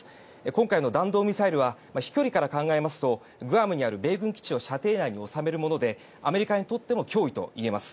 今回の弾道ミサイルは飛距離から考えますとグアムにある米軍基地を射程内に収めるものでアメリカにとっても脅威といえます。